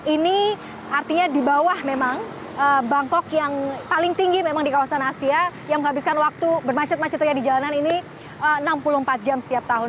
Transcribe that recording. ini artinya di bawah memang bangkok yang paling tinggi memang di kawasan asia yang menghabiskan waktu bermacet macetnya di jalanan ini enam puluh empat jam setiap tahun